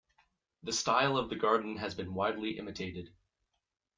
The style of the garden has been widely imitated.